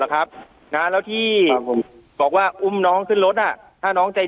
ครับนะแล้วที่ผมบอกว่าอุ้มน้องขึ้นรถอ่ะถ้าน้องใจ